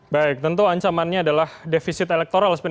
baik tentu ancamannya adalah defisit elektoral